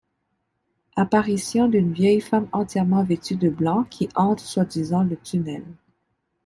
Apparitions d'une vieille femme entièrement vêtue de blanc, qui hante soi-disant le tunnel.